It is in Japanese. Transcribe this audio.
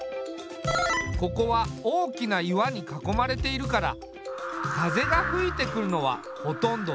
ここは大きな岩に囲まれているから風が吹いてくるのはほとんど海から。